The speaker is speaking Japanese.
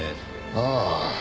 ああ。